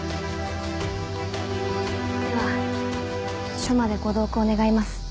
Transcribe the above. では署までご同行願います。